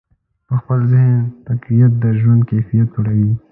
د خپل ذهن تقویت د ژوند کیفیت لوړوي.